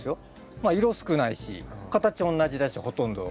まあ色少ないし形おんなじだしほとんど。